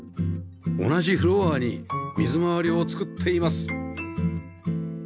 同じフロアに水回りを作っています